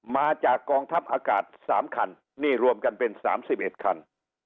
มาจากกองทัพอากาศสามคันนี่รวมกันเป็นสามสิบเอ็ดคัน